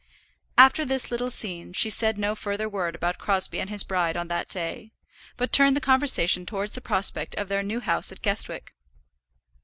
After this little scene she said no further word about Crosbie and his bride on that day, but turned the conversation towards the prospect of their new house at Guestwick.